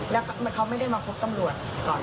แล้วเขาไม่ได้มาพบกำรวจ